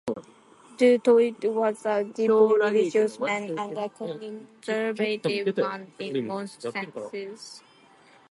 Du Toit was a deeply religious man and a conservative one in most senses.